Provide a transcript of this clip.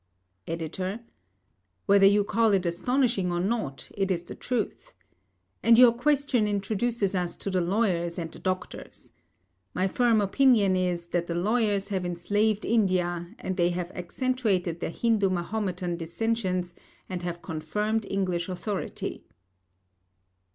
EDITOR: Whether you call it astonishing or not, it is the truth. And your question introduces us to the lawyers and the doctors. My firm opinion is that the lawyers have enslaved India and they have accentuated the Hindu Mahomedan dissensions, and have confirmed English authority.